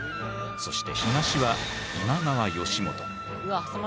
そして東は今川義元。